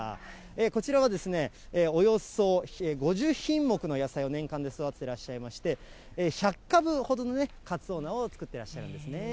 こちらはおよそ５０品目の野菜を年間で育ててらっしゃいまして、１００株ほどのかつお菜を作ってらっしゃるんですね。